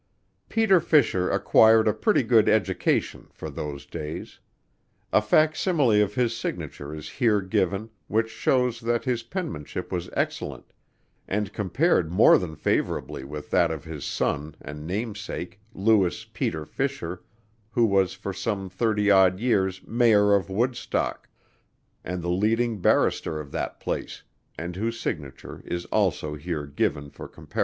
Peter Fisher acquired a pretty good education, for those days. A fac simile of his signature is here given, which shows that his penmanship was excellent, and compared more than favorably with that of his son and name sake, Lewis Peter Fisher, who was for some thirty odd years mayor of Woodstock, and the leading barrister of that place, and whose signature is also here given for comparison.